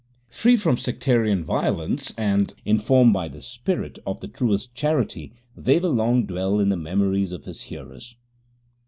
Free from sectarian violence, and informed by the spirit of the truest charity, they will long dwell in the memories of his hearers.